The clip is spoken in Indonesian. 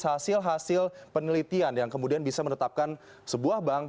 hasil hasil penelitian yang kemudian bisa menetapkan sebuah bank